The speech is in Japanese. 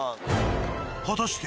果たして